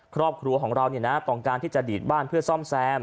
ครอบครัวของเราต้องการที่จะดีดบ้านเพื่อซ่อมแซม